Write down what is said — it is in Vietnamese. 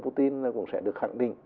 putin cũng sẽ được khẳng định